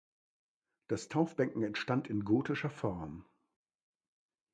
Das Taufbecken entstand in gotischer Form.